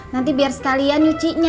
nanti biar sekalian nyucinya